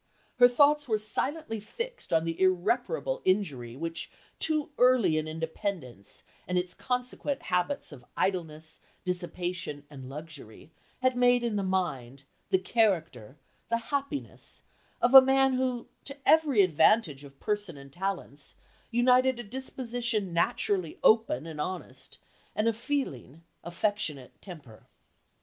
Her thoughts were silently fixed on the irreparable injury which too early an independence and its consequent habits of idleness, dissipation, and luxury, had made in the mind, the character, the happiness, of a man who, to every advantage of person and talents, united a disposition naturally open and honest, and a feeling, affectionate temper.